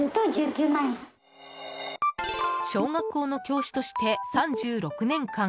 小学校の教師として３６年間。